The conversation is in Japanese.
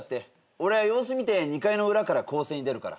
俺は様子見て２回の裏から攻勢に出るから。